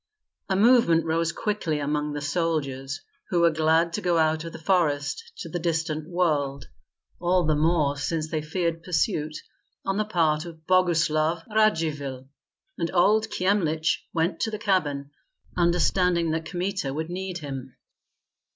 A movement rose quickly among the soldiers, who were glad to go out of the forest to the distant world, all the more since they feared pursuit on the part of Boguslav Radzivill; and old Kyemlich went to the cabin, understanding that Kmita would need him.